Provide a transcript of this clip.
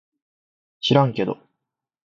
しらんけど